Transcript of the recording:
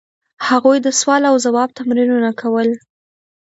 هغوی د سوال او ځواب تمرینونه کول.